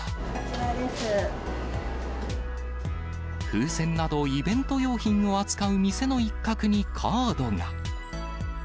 風船などイベント用品を扱う店の一角にカードが。